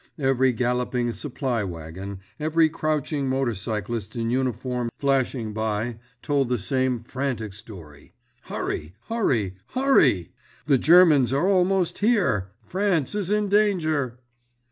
Every galloping supply wagon, every crouching motorcyclist in uniform flashing by told the same frantic story: "Hurry! Hurry! Hurry! The Germans are almost here! France is in danger!"